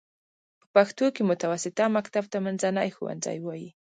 په پښتو کې متوسطه مکتب ته منځنی ښوونځی وايي.